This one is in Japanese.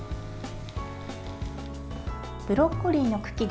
ブロッコリーの茎で！